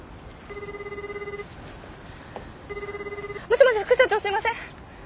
もしもし副社長すいません。